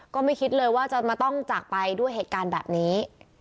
ก็ไม่คิดเลยว่าจะมาต้องจากไปด้วยเหตุการณ์แบบนี้